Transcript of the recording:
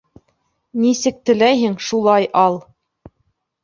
Нисек теләйһең, шулай ал!